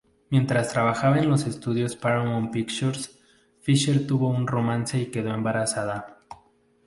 Mientras trabajaba en los estudios Paramount Pictures, Fisher tuvo un romance y quedó embarazada.